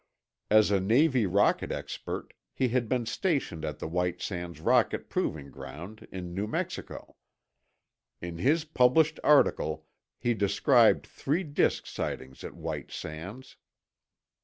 As a Navy rocket expert, he had been stationed at the White Sands Rocket Proving Ground in New Mexico. In his published article he described three disk sightings at White Sands.